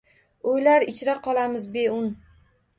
Oʻylar ichra qolamiz beun.